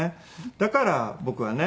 だから僕はね